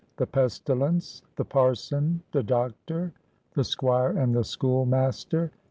—THE PESTILENCE.—THE PARSON.—THE DOCTOR.—THE SQUIRE AND THE SCHOOLMASTER.